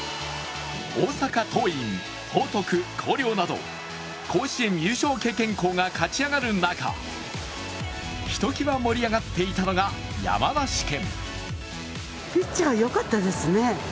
大阪桐蔭、報徳、広陵など甲子園優勝経験校が勝ち上がる中ひときわ盛り上がっていたのが山梨県。